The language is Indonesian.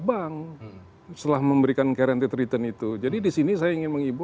bank setelah memberikan guaranteed return itu jadi di sini saya ingin mencari pengguna yang berpengaruh